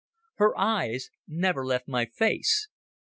Her eyes never left my face.